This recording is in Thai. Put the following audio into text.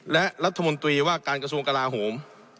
และรัฐมนตรีว่าการกระทรวงกลาโหม